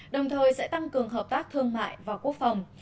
đồng thời sẽ tăng cường hợp tác thương mại và quốc phòng